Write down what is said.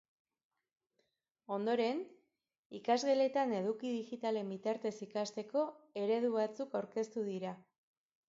Ondoren, ikasgeletan eduki digitalen bitartez ikasteko eredu batzuk aurkeztu dira.